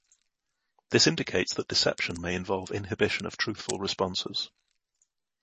This indicates that deception may involve inhibition of truthful responses.